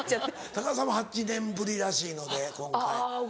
高畑さんも８年ぶりらしいので今回。